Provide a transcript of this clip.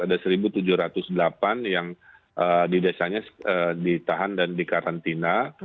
ada seribu tujuh ratus delapan yang di desanya ditahan dan di karantina